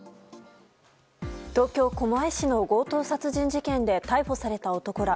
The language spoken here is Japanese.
東京・狛江市の強盗殺人事件で逮捕された男ら。